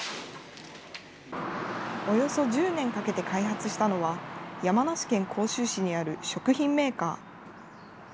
およそ１０年かけて開発したのは、山梨県甲州市にある食品メーカー。